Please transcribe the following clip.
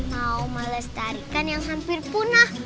mau melestarikan yang hampir punah